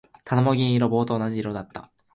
棚も銀色。棒と同じ色だった。